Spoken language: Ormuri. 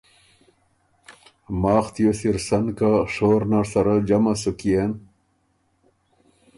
ماخ تیوس اِر سن که شور نر سره جمع سُک يېن